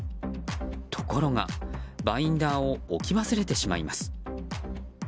ところが、バインダーを置き忘れてしまいます。